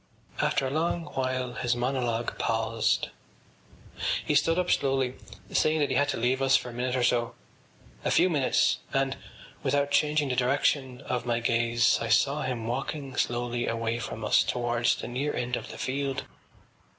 After a long while his monologue paused. He stood up slowly, saying that he had to leave us for a minute or so, a few minutes, and, without changing the direction of my gaze, I saw him walking slowly away from us towards the near end of the field.